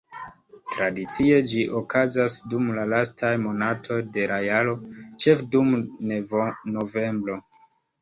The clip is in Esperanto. Tradicie ĝi okazas dum la lastaj monatoj de la jaro, ĉefe dum novembro.